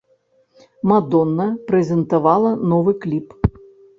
Мадонна прэзентавала новы кліп.